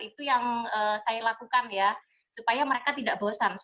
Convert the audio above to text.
itu yang saya lakukan ya supaya mereka tidak bosan